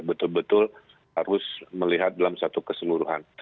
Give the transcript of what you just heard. betul betul harus melihat dalam satu keseluruhan